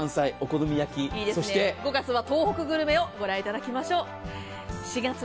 ５月は東北グルメをご覧いただきましょう。